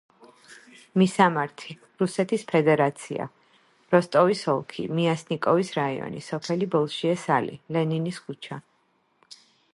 მისამართი: რუსეთის ფედერაცია, როსტოვის ოლქი, მიასნიკოვის რაიონი, სოფელი ბოლშიე-სალი, ლენინის ქუჩა.